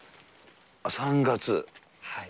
３月。